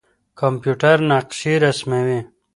کمپيوټر نقشې رسموي.